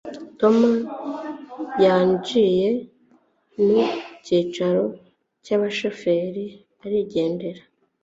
tom yinjiye mu cyicaro cy'abashoferi arigendera